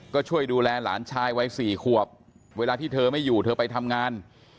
ก็ช่วยดูแลหลานชายวัย๔ขวบเวลาที่เธอไม่อยู่เธอไปทำงาน